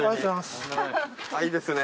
いいですね。